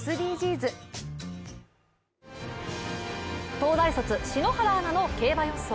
東大卒・篠原アナの競馬予想